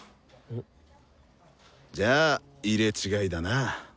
じゃあ入れ違いだな。